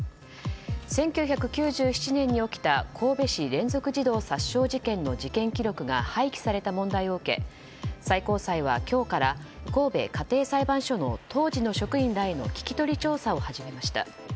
１９９７年に起きた神戸連続児童殺傷事件の事件記録が廃棄された問題を受け最高裁は今日から神戸家庭裁判所の当時の職員らへの聞き取り調査を始めました。